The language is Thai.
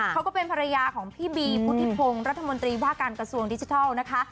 ก็เป็นภรรยาของพี่บีพุทธิพงศ์รัฐมนตรีว่าการกระทรวงดิจิทัลนะคะ